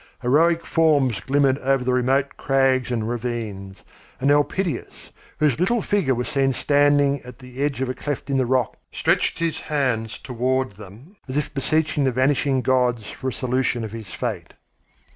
Heroic forms glimmered over the remote crags and ravines, and Elpidias, whose little figure was seen standing at the edge of a cleft in the rocks, stretched his hands toward them, as if beseeching the vanishing gods for a solution of his fate.